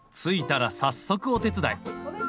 着いたら早速お手伝い。